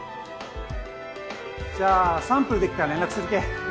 じゃあサンプルできたら連絡するけん